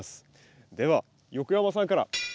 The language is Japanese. では横山さんから。